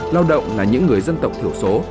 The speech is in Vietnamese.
lao động là những người dân tộc thiểu số